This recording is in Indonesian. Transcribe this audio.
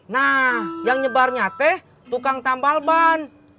nah yang nyebarnya teh tukang tambal ban